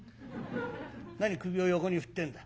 何首を横に振ってんだ。